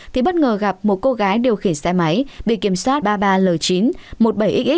một ba trăm linh thì bất ngờ gặp một cô gái điều khiển xe máy bị kiểm soát ba mươi ba l chín một mươi bảy xx